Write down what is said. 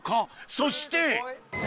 そして！